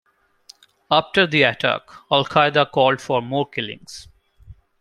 After the attack, Al-Qaeda called for more killings.